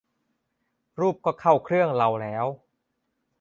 รูปก็เข้าเครื่องเราแล้ว